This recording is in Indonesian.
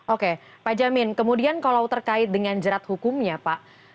oke pak jamin kemudian kalau terkait dengan jerat hukumnya pak